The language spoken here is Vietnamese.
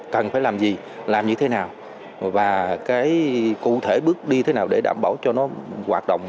cần phải làm gì làm như thế nào và cái cụ thể bước đi thế nào để đảm bảo cho nó hoạt động